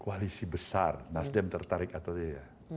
kualitas besar nasdem tertarik atau tidak